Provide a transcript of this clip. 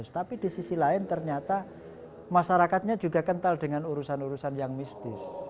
tapi di sisi lain ternyata masyarakatnya juga kental dengan urusan urusan yang mistis